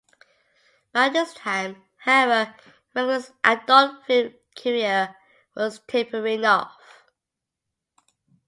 By this time, however, Wrangler's adult-film career was tapering off.